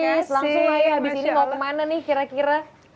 langsung aja habis ini mau kemana nih kira kira